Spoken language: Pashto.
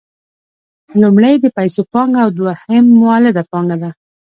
لومړی د پیسو پانګه او دویم مولده پانګه ده